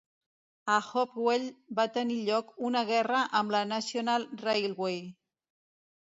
A Hopewell va tenir lloc una guerra amb la National Railway.